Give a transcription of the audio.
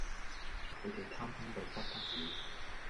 佢地貪心到不得了